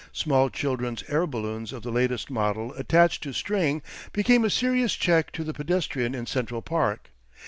Small children's air balloons of the latest model attached to string became a serious check to the pedestrian in Central Park.